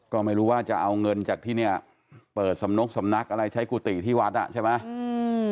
ก็ไม่รู้ว่าจะเอาเงินจากที่เนี่ยเปิดสำนกสำนักอะไรใช้กุฏิที่วัดอ่ะใช่ไหม